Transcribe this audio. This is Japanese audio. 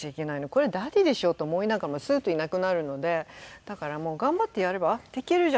これダディでしょと思いながらもスーッといなくなるのでだからもう頑張ってやればあっできるじゃないって。